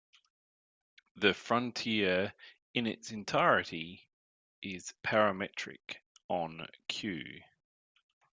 The frontier in its entirety is parametric on "q".